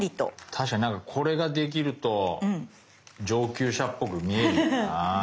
確かにこれができると上級者っぽく見えるよな。